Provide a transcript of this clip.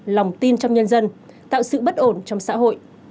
lòng tin trong nhân dân tạo sự bất ổn trong xã hội